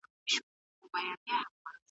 که ته په املا کي د جملو په منطقي ترتیب پوه سې.